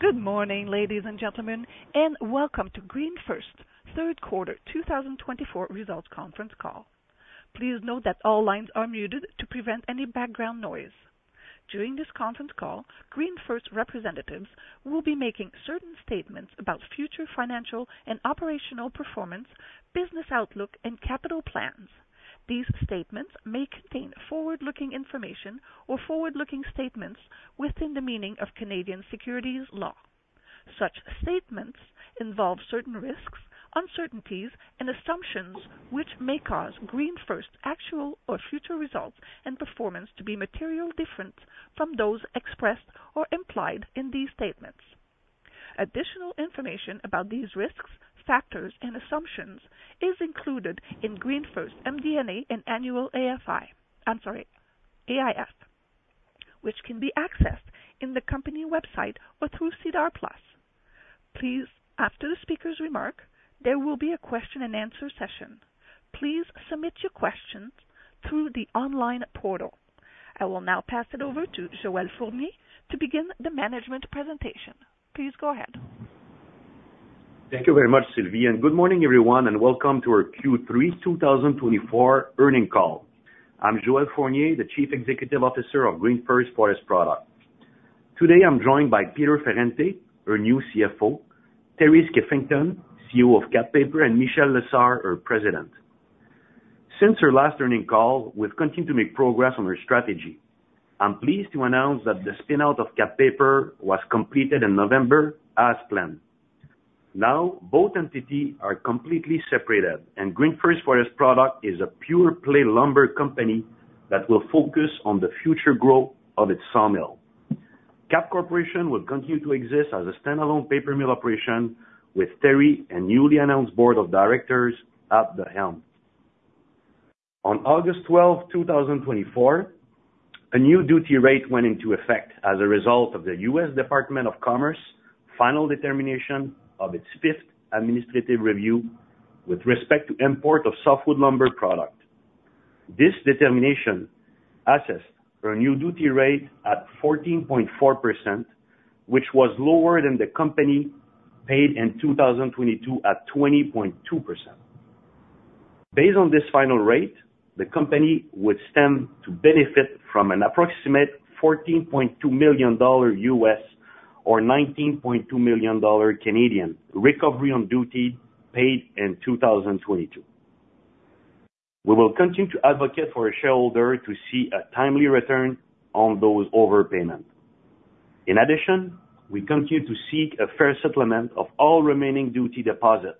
Good morning, ladies and gentlemen, and welcome to GreenFirst's Q3 2024 Results Conference Call. Please note that all lines are muted to prevent any background noise. During this conference call, GreenFirst representatives will be making certain statements about future financial and operational performance, business outlook, and capital plans. These statements may contain forward-looking information or forward-looking statements within the meaning of Canadian securities law. Such statements involve certain risks, uncertainties, and assumptions which may cause GreenFirst's actual or future results and performance to be materially different from those expressed or implied in these statements. Additional information about these risks, factors, and assumptions is included in GreenFirst's MD&A and annual AIF, which can be accessed on the company's website or through SEDAR+. Please, after the speaker's remark, there will be a question-and-answer session. Please submit your questions through the online portal. I will now pass it over to Joel Fournier to begin the management presentation. Please go ahead. Thank you very much, Sylvie. And good morning, everyone, and welcome to our Q3 2024 earnings call. I'm Joel Fournier, the Chief Executive Officer of GreenFirst Forest Products. Today, I'm joined by Peter Ferrante, our new CFO; Terry Skiffington, CEO of Kap Paper; and Michel Lessard, our President. Since our last earnings call, we've continued to make progress on our strategy. I'm pleased to announce that the spin-out of Kap Paper was completed in November, as planned. Now, both entities are completely separated, and GreenFirst Forest Products is a pure-play lumber company that will focus on the future growth of its sawmill. Kap Corporation will continue to exist as a standalone paper mill operation, with Terry and newly announced board of directors at the helm. On August 12, 2024, a new duty rate went into effect as a result of the U.S. Department of Commerce final determination of its fifth administrative review with respect to import of softwood lumber product. This determination assessed a new duty rate at 14.4%, which was lower than the company paid in 2022 at 20.2%. Based on this final rate, the company would stand to benefit from an approximate $14.2 million USD or 19.2 million Canadian dollars recovery on duty paid in 2022. We will continue to advocate for our shareholders to see a timely return on those overpayments. In addition, we continue to seek a fair settlement of all remaining duty deposits.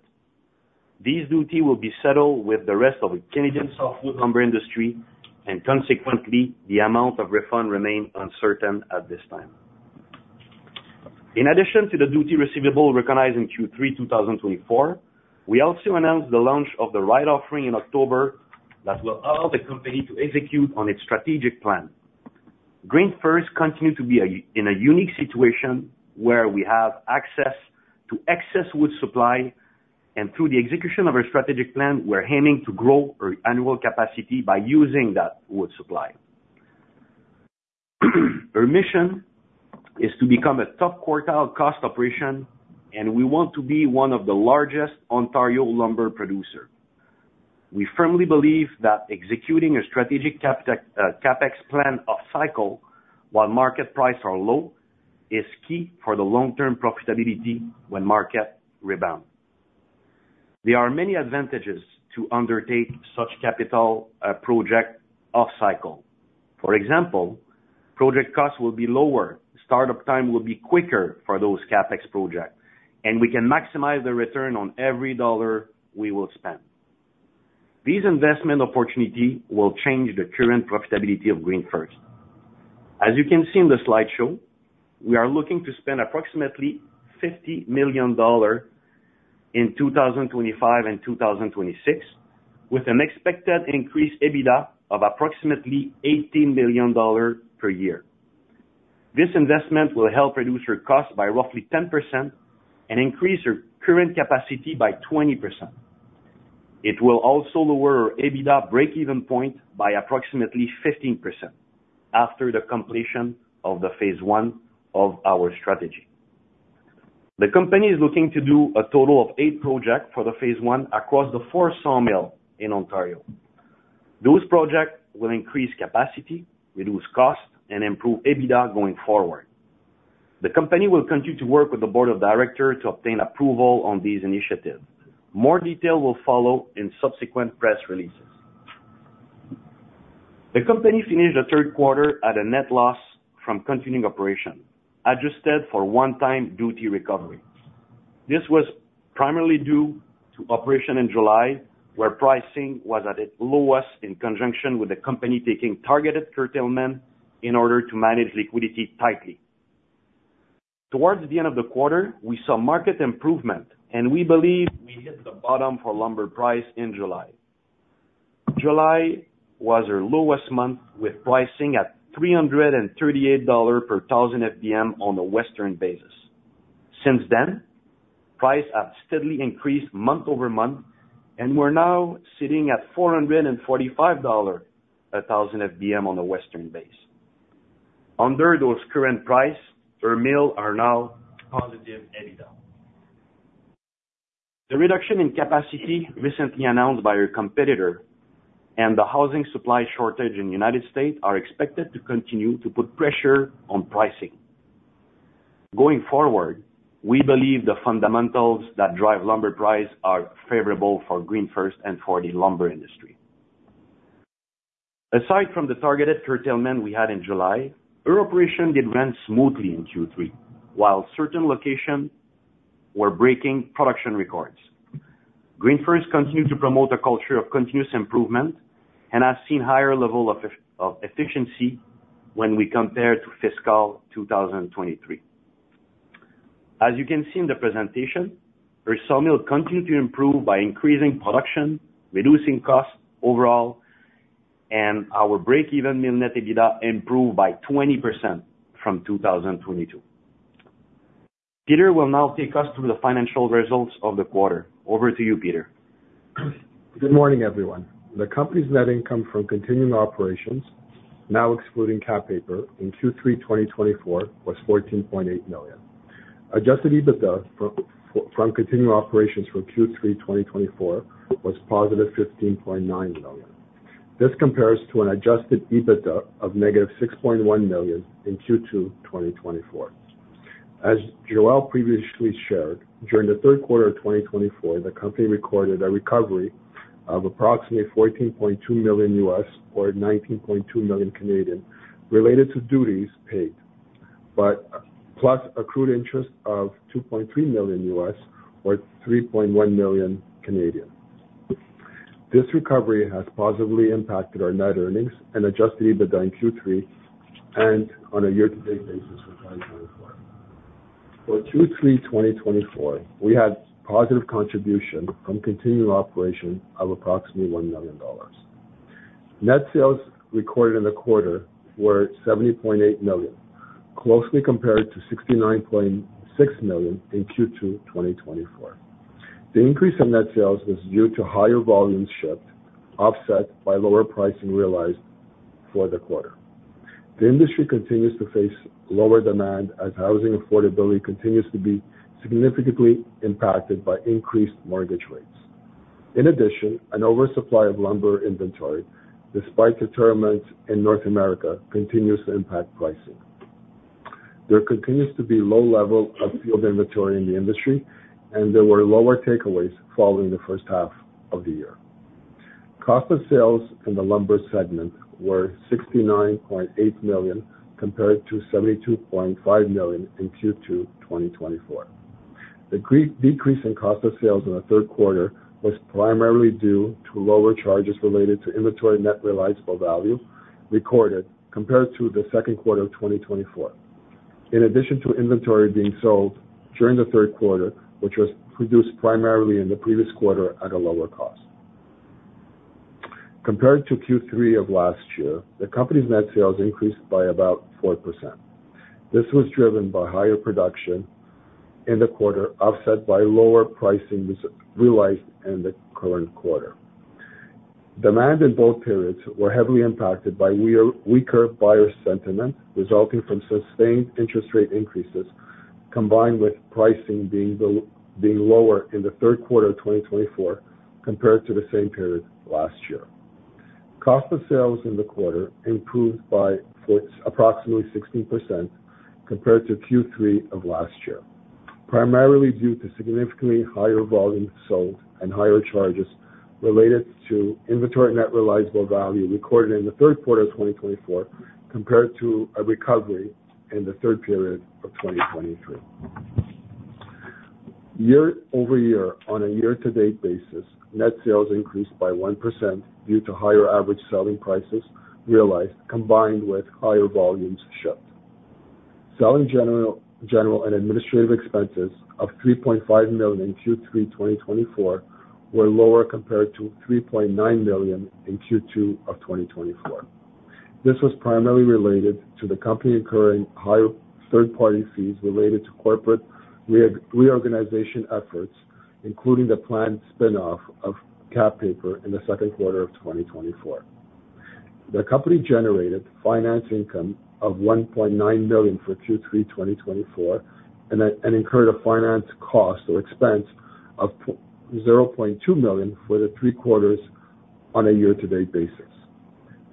This duty will be settled with the rest of the Canadian softwood lumber industry, and consequently, the amount of refund remains uncertain at this time. In addition to the duty receivable recognized in Q3 2024, we also announced the launch of the rights offering in October that will allow the company to execute on its strategic plan. GreenFirst continues to be in a unique situation where we have access to excess wood supply, and through the execution of our strategic plan, we're aiming to grow our annual capacity by using that wood supply. Our mission is to become a top quartile cost operation, and we want to be one of the largest Ontario lumber producers. We firmly believe that executing a strategic CapEx plan off-cycle while market prices are low is key for the long-term profitability when markets rebound. There are many advantages to undertaking such a capital project off-cycle. For example, project costs will be lower, startup time will be quicker for those CapEx projects, and we can maximize the return on every dollar we will spend. These investment opportunities will change the current profitability of GreenFirst. As you can see in the slideshow, we are looking to spend approximately 50 million dollars in 2025 and 2026, with an expected increased EBITDA of approximately 18 million dollars per year. This investment will help reduce our costs by roughly 10% and increase our current capacity by 20%. It will also lower our EBITDA break-even point by approximately 15% after the completion of Phase One of our strategy. The company is looking to do a total of eight projects for Phase One across the four sawmills in Ontario. Those projects will increase capacity, reduce costs, and improve EBITDA going forward. The company will continue to work with the board of directors to obtain approval on these initiatives. More details will follow in subsequent press releases. The company finished the third quarter at a net loss from continuing operations, adjusted for one-time duty recovery. This was primarily due to operations in July, where pricing was at its lowest in conjunction with the company taking targeted curtailments in order to manage liquidity tightly. Towards the end of the quarter, we saw market improvement, and we believe we hit the bottom for lumber prices in July. July was our lowest month, with pricing at $338 per 1,000 FBM on a Western basis. Since then, prices have steadily increased month over month, and we're now sitting at $445 per 1,000 FBM on a Western basis. Under those current prices, our mills are now positive EBITDA. The reduction in capacity recently announced by our competitor and the housing supply shortage in the United States are expected to continue to put pressure on pricing. Going forward, we believe the fundamentals that drive lumber prices are favorable for GreenFirst and for the lumber industry. Aside from the targeted curtailment we had in July, our operation did run smoothly in Q3, while certain locations were breaking production records. GreenFirst continued to promote a culture of continuous improvement and has seen a higher level of efficiency when we compare to fiscal 2023. As you can see in the presentation, our sawmill continued to improve by increasing production, reducing costs overall, and our break-even mill net EBITDA improved by 20% from 2022. Peter will now take us through the financial results of the quarter. Over to you, Peter. Good morning, everyone. The company's net income from continuing operations, now excluding Kap Paper in Q3 2024, was $14.8 million. Adjusted EBITDA from continuing operations for Q3 2024 was positive $15.9 million. This compares to an adjusted EBITDA of negative $6.1 million in Q2 2024. As Joel previously shared, during the third quarter of 2024, the company recorded a recovery of approximately $14.2 million USD or 19.2 million related to duties paid, plus accrued interest of $2.3 million USD or 3.1 million. This recovery has positively impacted our net earnings and adjusted EBITDA in Q3 and on a year-to-date basis for 2024. For Q3 2024, we had positive contribution from continuing operations of approximately $1 million. Net sales recorded in the quarter were $70.8 million, closely compared to $69.6 million in Q2 2024. The increase in net sales was due to higher volume shift, offset by lower pricing realized for the quarter. The industry continues to face lower demand as housing affordability continues to be significantly impacted by increased mortgage rates. In addition, an oversupply of lumber inventory, despite deterrent in North America, continues to impact pricing. There continues to be low level of field inventory in the industry, and there were lower takeaways following the first half of the year. Cost of sales in the lumber segment were $69.8 million compared to $72.5 million in Q2 2024. The decrease in cost of sales in the third quarter was primarily due to lower charges related to inventory net realizable value recorded compared to the second quarter of 2024, in addition to inventory being sold during the third quarter, which was produced primarily in the previous quarter at a lower cost. Compared to Q3 of last year, the company's net sales increased by about 4%. This was driven by higher production in the quarter, offset by lower pricing realized in the current quarter. Demand in both periods was heavily impacted by weaker buyer sentiment resulting from sustained interest rate increases, combined with pricing being lower in the third quarter of 2024 compared to the same period last year. Cost of sales in the quarter improved by approximately 16% compared to Q3 of last year, primarily due to significantly higher volume sold and higher charges related to inventory net realizable value recorded in the third quarter of 2024 compared to a recovery in the third quarter of 2023. Year over year, on a year-to-date basis, net sales increased by 1% due to higher average selling prices realized, combined with higher volumes shipped. Selling, general and administrative expenses of 3.5 million in Q3 2024 were lower compared to 3.9 million in Q2 of 2024. This was primarily related to the company incurring higher third-party fees related to corporate reorganization efforts, including the planned spin-off of Kap Paper in the second quarter of 2024. The company generated finance income of 1.9 million for Q3 2024 and incurred a finance cost or expense of 0.2 million for the three quarters on a year-to-date basis.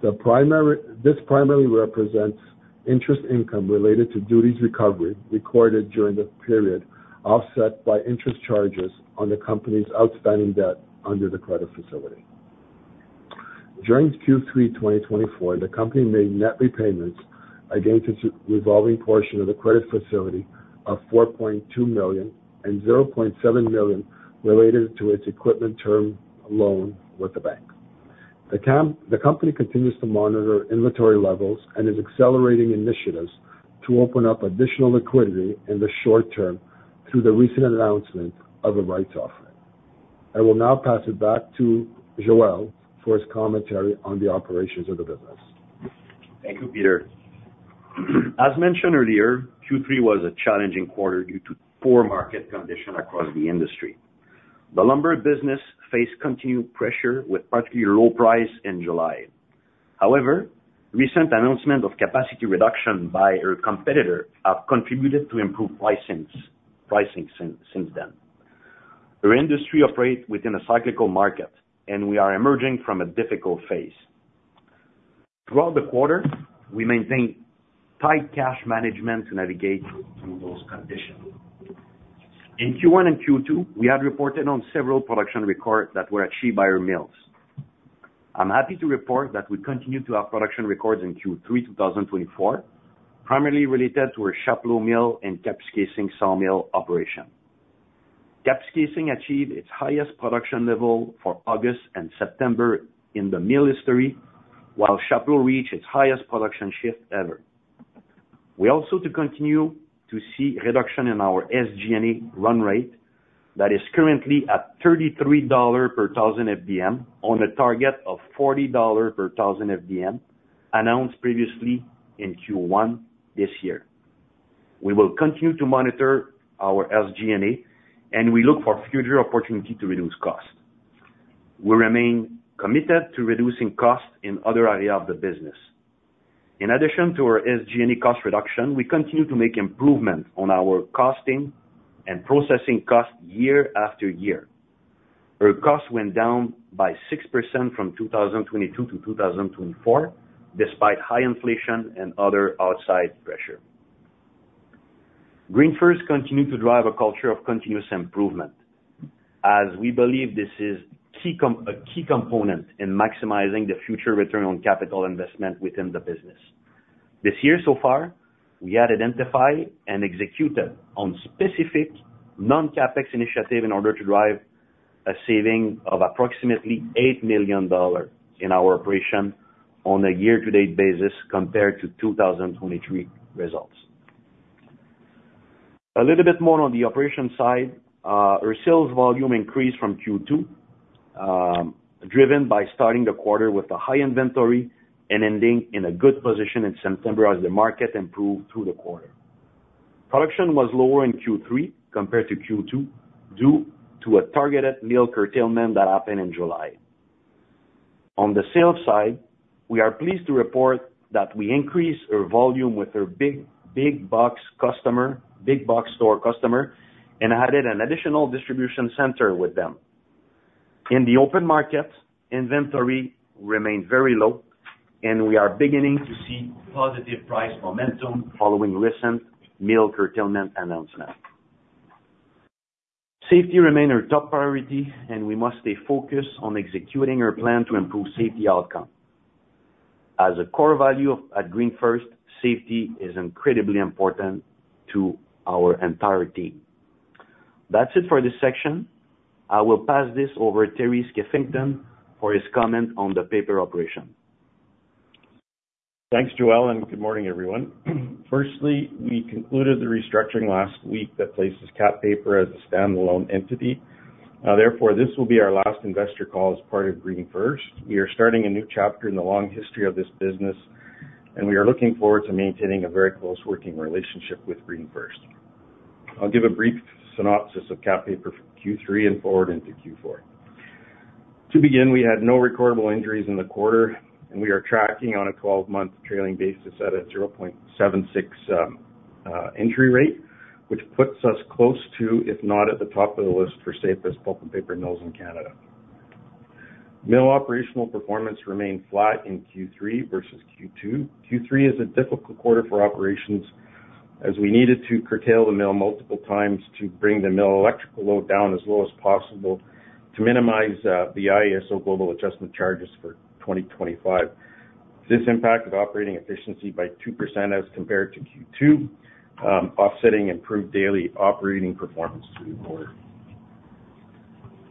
This primarily represents interest income related to duties recovery recorded during the period, offset by interest charges on the company's outstanding debt under the credit facility. During Q3 2024, the company made net repayments against its revolving portion of the credit facility of 4.2 million and 0.7 million related to its equipment term loan with the bank. The company continues to monitor inventory levels and is accelerating initiatives to open up additional liquidity in the short term through the recent announcement of a rights offering. I will now pass it back to Joel for his commentary on the operations of the business. Thank you, Peter. As mentioned earlier, Q3 was a challenging quarter due to poor market conditions across the industry. The lumber business faced continued pressure with particularly low prices in July. However, recent announcements of capacity reduction by our competitor have contributed to improved pricing since then. Our industry operates within a cyclical market, and we are emerging from a difficult phase. Throughout the quarter, we maintained tight cash management to navigate through those conditions. In Q1 and Q2, we had reported on several production records that were achieved by our mills. I'm happy to report that we continue to have production records in Q3 2024, primarily related to our Chapleau mill and Kapuskasing sawmill operation. Kapuskasing achieved its highest production level for August and September in the mill history, while Chapleau reached its highest production shift ever. We also continue to see a reduction in our SG&A run rate that is currently at $33 per 1,000 FBM on a target of $40 per 1,000 FBM announced previously in Q1 this year. We will continue to monitor our SG&A, and we look for future opportunities to reduce costs. We remain committed to reducing costs in other areas of the business. In addition to our SG&E cost reduction, we continue to make improvements on our costing and processing costs year after year. Our costs went down by 6% from 2022 to 2024, despite high inflation and other outside pressure. GreenFirst continues to drive a culture of continuous improvement, as we believe this is a key component in maximizing the future return on capital investment within the business. This year, so far, we had identified and executed on specific non-CapEx initiatives in order to drive a saving of approximately eight million dollars in our operation on a year-to-date basis compared to 2023 results. A little bit more on the operations side, our sales volume increased from Q2, driven by starting the quarter with a high inventory and ending in a good position in September as the market improved through the quarter. Production was lower in Q3 compared to Q2 due to a targeted mill curtailment that happened in July. On the sales side, we are pleased to report that we increased our volume with our big box store customer and added an additional distribution center with them. In the open market, inventory remained very low, and we are beginning to see positive price momentum following recent mill curtailment announcements. Safety remains our top priority, and we must stay focused on executing our plan to improve safety outcomes. As a core value at GreenFirst, safety is incredibly important to our entire team. That's it for this section. I will pass this over to Terry Skiffington for his comment on the paper operation. Thanks, Joel, and good morning, everyone. Firstly, we concluded the restructuring last week that places Kap Paper as a standalone entity. Therefore, this will be our last investor call as part of GreenFirst. We are starting a new chapter in the long history of this business, and we are looking forward to maintaining a very close working relationship with GreenFirst. I'll give a brief synopsis of Kap Paper for Q3 and forward into Q4. To begin, we had no recordable injuries in the quarter, and we are tracking on a 12-month trailing basis at a 0.76 injury rate, which puts us close to, if not at the top of the list for safest pulp and paper mills in Canada. Mill operational performance remained flat in Q3 versus Q2. Q3 is a difficult quarter for operations as we needed to curtail the mill multiple times to bring the mill electrical load down as low as possible to minimize the IESO Global Adjustment charges for 2025. This impacted operating efficiency by 2% as compared to Q2, offsetting improved daily operating performance through the quarter.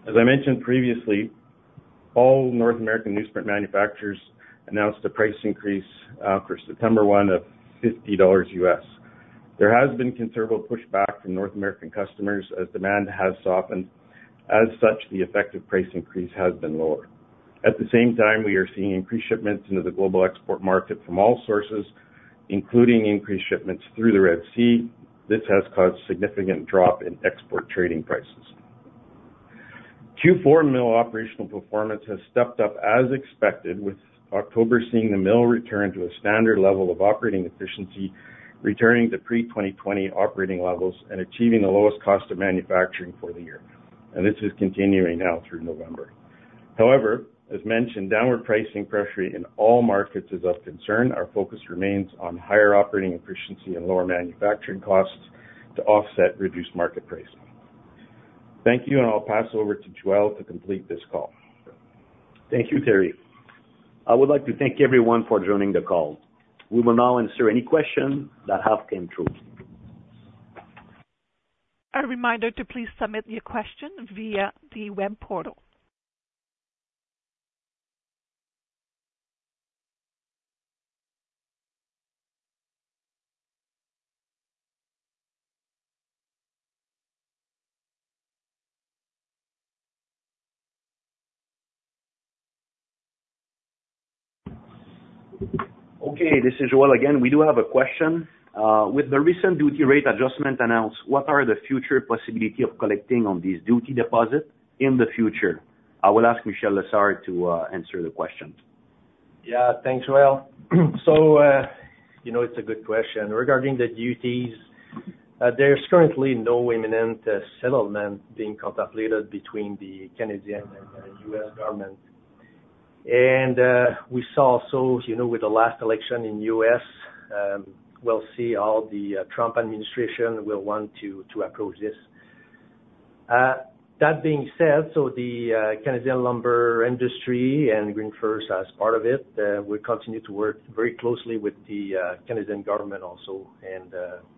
As I mentioned previously, all North American newsprint manufacturers announced a price increase for September 1 of $50. There has been considerable pushback from North American customers as demand has softened. As such, the effective price increase has been lower. At the same time, we are seeing increased shipments into the global export market from all sources, including increased shipments through the Red Sea. This has caused a significant drop in export trading prices. Q4 mill operational performance has stepped up as expected, with October seeing the mill return to a standard level of operating efficiency, returning to pre-2020 operating levels and achieving the lowest cost of manufacturing for the year. And this is continuing now through November. However, as mentioned, downward pricing pressure in all markets is of concern. Our focus remains on higher operating efficiency and lower manufacturing costs to offset reduced market pricing. Thank you, and I'll pass over to Joel to complete this call. Thank you, Terry. I would like to thank everyone for joining the call. We will now answer any questions that have come through. A reminder to please submit your question via the web portal. Okay, this is Joel again. We do have a question. With the recent duty rate adjustment announced, what are the future possibilities of collecting on these duty deposits in the future? I will ask Michel Lessard to answer the question. Yeah, thanks, Joel. So it's a good question. Regarding the duties, there's currently no imminent settlement being contemplated between the Canadian and the U.S. government. And we saw, so with the last election in the U.S., we'll see how the Trump administration will want to approach this. That being said, so the Canadian lumber industry and GreenFirst as part of it will continue to work very closely with the Canadian government also, and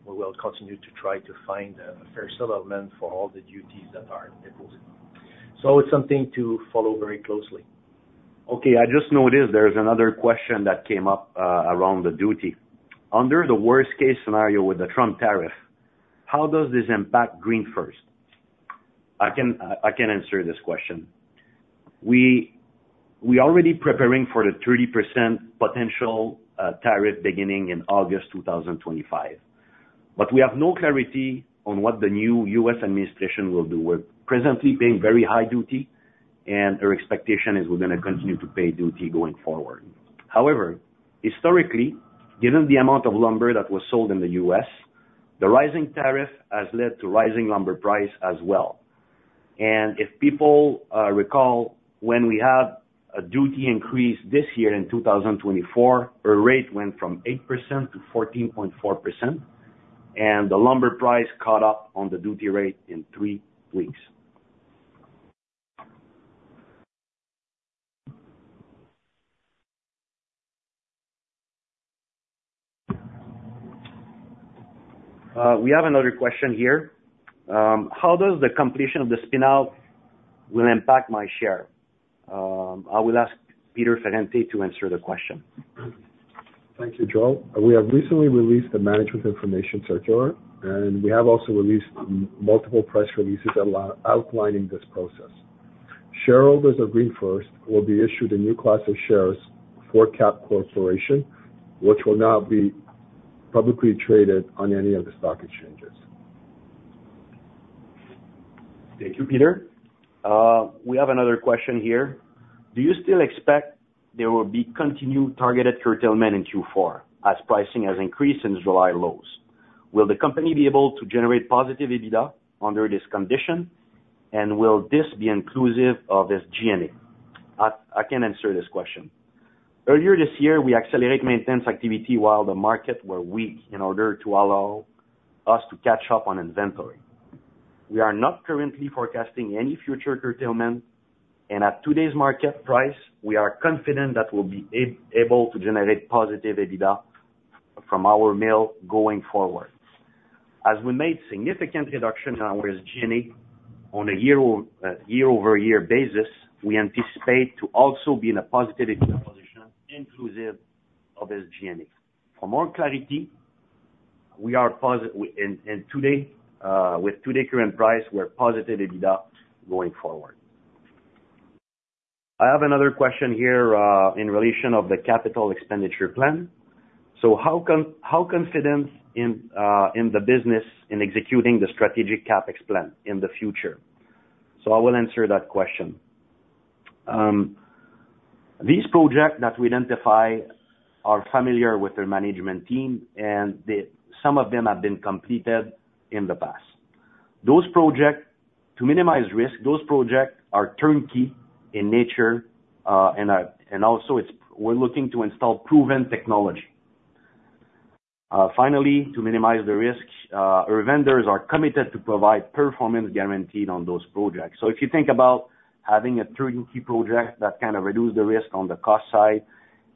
we will continue to try to find a fair settlement for all the duties that are imposed. So it's something to follow very closely. Okay, I just noticed there's another question that came up around the duty. Under the worst-case scenario with the Trump tariff, how does this impact GreenFirst? I can answer this question. We are already preparing for the 30% potential tariff beginning in August 2025, but we have no clarity on what the new U.S. administration will do. We're presently paying very high duty, and our expectation is we're going to continue to pay duty going forward. However, historically, given the amount of lumber that was sold in the U.S., the rising tariff has led to rising lumber prices as well. And if people recall when we had a duty increase this year in 2024, our rate went from 8% to 14.4%, and the lumber price caught up on the duty rate in three weeks. We have another question here. How does the completion of the spin-off will impact my share? I will ask Peter Ferrante to answer the question. Thank you, Joel. We have recently released the management information circular, and we have also released multiple press releases outlining this process. Shareholders of GreenFirst will be issued a new class of shares for Kap Paper, which will now be publicly traded on any of the stock exchanges. Thank you, Peter. We have another question here. Do you still expect there will be continued targeted curtailment in Q4 as pricing has increased since July lows? Will the company be able to generate positive EBITDA under this condition, and will this be inclusive of SG&A? I can answer this question. Earlier this year, we accelerated maintenance activity while the market was weak in order to allow us to catch up on inventory. We are not currently forecasting any future curtailment, and at today's market price, we are confident that we'll be able to generate positive EBITDA from our mill going forward. As we made significant reductions in our SG&A on a year-over-year basis, we anticipate to also be in a positive EBITDA position inclusive of SG&A. For more clarity, we are positive, and today, with today's current price, we're positive EBITDA going forward. I have another question here in relation to the capital expenditure plan, so how confident are you in the business in executing the strategic CapEx plan in the future, so I will answer that question. These projects that we identify are familiar with our management team, and some of them have been completed in the past. To minimize risk, those projects are turnkey in nature, and also we're looking to install proven technology. Finally, to minimize the risk, our vendors are committed to provide performance guarantees on those projects, so if you think about having a turnkey project that kind of reduces the risk on the cost side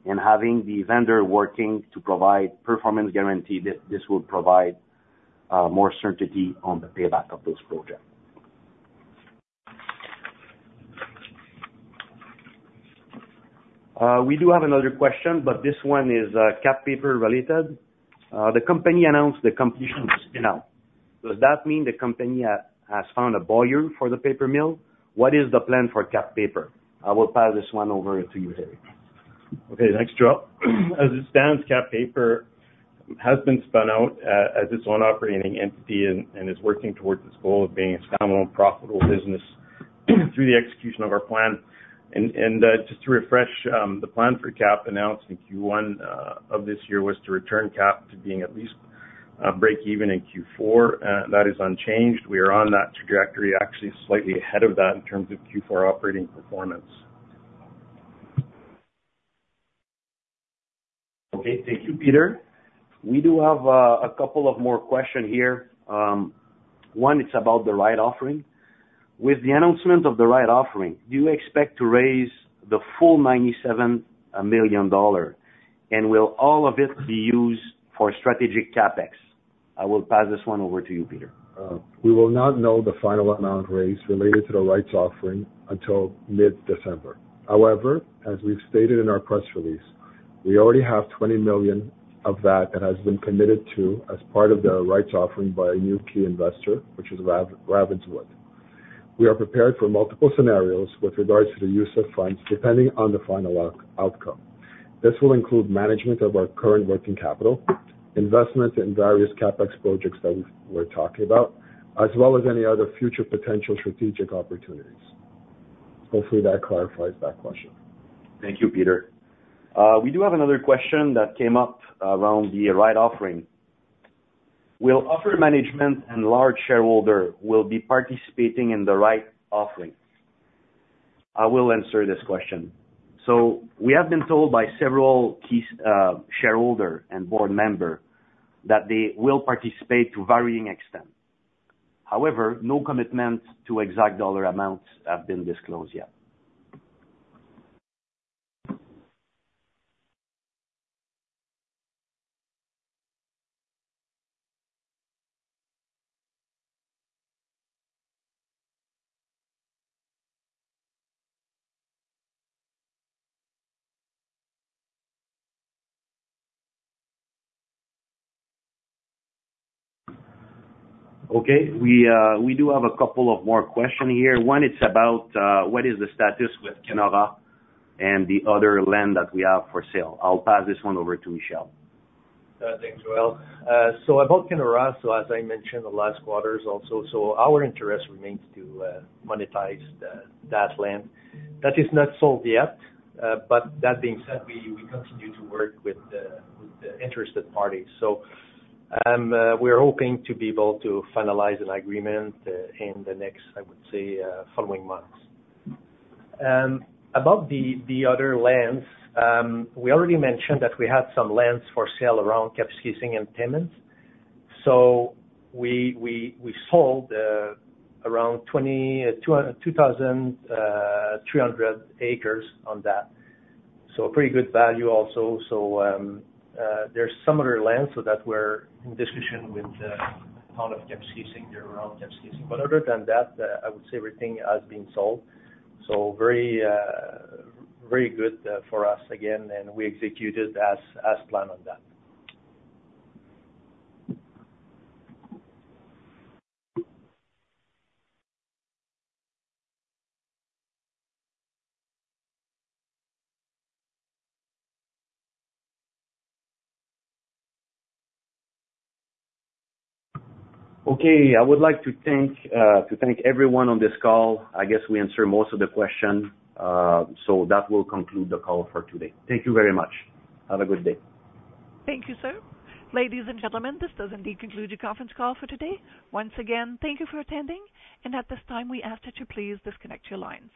and having the vendor working to provide performance guarantees, this will provide more certainty on the payback of those projects. We do have another question, but this one is Kap Paper related. The company announced the completion of the spin-off. Does that mean the company has found a buyer for the paper mill? What is the plan for Kap Paper? I will pass this one over to you, Terry. Okay, thanks, Joel. As it stands, Kap Paper has been spun out as its own operating entity and is working towards its goal of being a standalone profitable business through the execution of our plan, and just to refresh, the plan for Kap announced in Q1 of this year was to return Kap to being at least break-even in Q4. That is unchanged. We are on that trajectory, actually slightly ahead of that in terms of Q4 operating performance. Okay, thank you, Peter. We do have a couple of more questions here. One, it's about the rights offering. With the announcement of the rights offering, do you expect to raise the full 97 million dollar? And will all of it be used for strategic CapEx? I will pass this one over to you, Peter. We will not know the final amount raised related to the rights offering until mid-December. However, as we've stated in our press release, we already have $20 million of that has been committed to as part of the rights offering by a new key investor, which is Ravenswood. We are prepared for multiple scenarios with regards to the use of funds depending on the final outcome. This will include management of our current working capital, investment in various CapEx projects that we're talking about, as well as any other future potential strategic opportunities. Hopefully, that clarifies that question. Thank you, Peter. We do have another question that came up around the rights offering. Will upper management and large shareholders be participating in the rights offering? I will answer this question. So we have been told by several key shareholders and board members that they will participate to varying extents. However, no commitments to exact dollar amounts have been disclosed yet. Okay, we do have a couple of more questions here. One, it's about what is the status with Kenora and the other land that we have for sale. I'll pass this one over to Michel. Thanks, Joel. So about Kenora, so as I mentioned the last quarter also, so our interest remains to monetize that land. That is not solved yet, but that being said, we continue to work with the interested parties. So we're hoping to be able to finalize an agreement in the next, I would say, following months. About the other lands, we already mentioned that we had some lands for sale around Kapuskasing and Tennant. So we sold around 2,300 acres on that. So pretty good value also. So there's some other lands that we're in discussion with the town of Kapuskasing, around Kapuskasing. But other than that, I would say everything has been sold. So very good for us again, and we executed as planned on that. Okay, I would like to thank everyone on this call. I guess we answered most of the questions, so that will conclude the call for today. Thank you very much. Have a good day. Thank you, sir. Ladies and gentlemen, this does indeed conclude your conference call for today. Once again, thank you for attending, and at this time, we ask that you please disconnect your lines.